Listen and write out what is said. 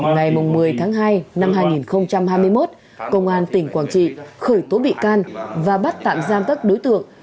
ngày một mươi tháng hai năm hai nghìn hai mươi một công an tỉnh quảng trị khởi tố bị can và bắt tạm giam các đối tượng